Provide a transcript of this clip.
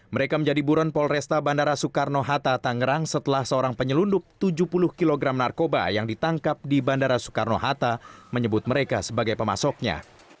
mereka menjadi buron polresta bandara soekarno hatta tangerang setelah seorang penyelundup tujuh puluh kg narkoba yang ditangkap di bandara soekarno hatta menyebut mereka sebagai pemasoknya